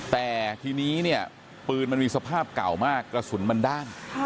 แต่ทีนี้เนี่ยปืนมันมีสภาพเก่ามากกระสุนมันด้าน